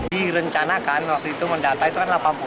di rencana kan waktu itu mendata itu kan delapan puluh